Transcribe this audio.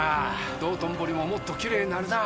道頓堀ももっときれいになるなぁ。